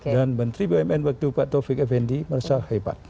dan menteri bumn waktu pak taufik effendi merasa hebat